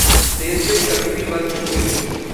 इस देश में कभी भी बर्फ नहीं गिरती।